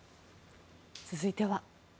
続いては。